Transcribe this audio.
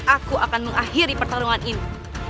aku akan mengakhiri pertarungan ini